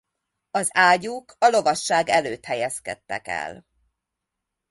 Az ágyúk a lovasság előtt helyezkedtek el.